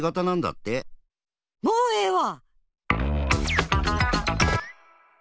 もうええわ！